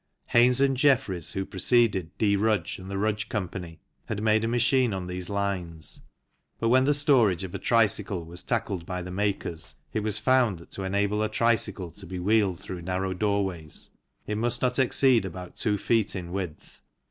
Haynes and Jeffries, who preceded D. Rudge and the Rudge Co., had made a machine on these lines, but when the storage of a tricycle was tackled by the makers it was found that to enable a tricycle to be wheeled through narrow doorways it must not exceed about 2 ft. in width.